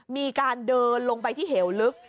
มีการเดินลงไปที่เหวลึก